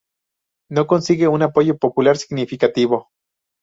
No consigue un apoyo popular significativo.